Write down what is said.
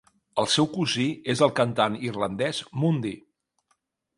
El seu cosí és el cantant irlandès Mundy.